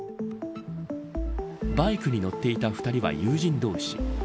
バイクに乗っていた２人は友人同士。